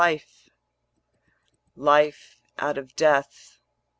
Life out of death.